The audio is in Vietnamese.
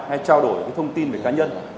hay trao đổi thông tin về cá nhân